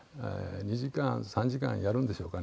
２時間３時間やるんでしょうかね。